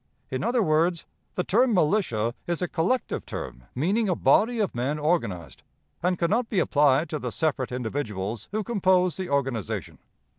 In other words, the term 'militia' is a collective term meaning a body of men organized, and can not be applied to the separate individuals who compose the organization.